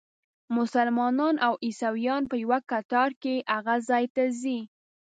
مسلمانان او عیسویان په یوه کتار کې هغه ځای ته ځي.